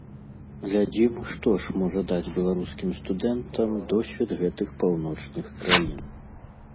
Глядзім, што ж можа даць беларускім студэнтам досвед гэтых паўночных краін.